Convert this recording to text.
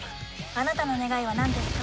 あなたの願いはなんですか？